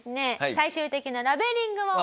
最終的なラベリングを。